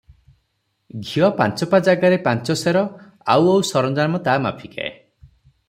ଘିଅ ପାଞ୍ଚପା ଜାଗାରେ ପାଞ୍ଚ ସେର, ଆଉ ଆଉ ସରଞ୍ଜାମ ତା ମାଫିକେ ।